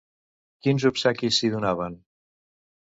Quins obsequis s'hi donaven?